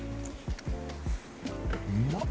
うまっ！